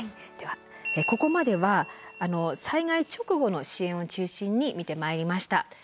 ではここまでは災害直後の支援を中心に見てまいりました。